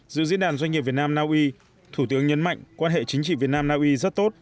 dự diễn đàn doanh nghiệp việt nam naui thủ tướng nhấn mạnh quan hệ chính trị việt nam naui rất tốt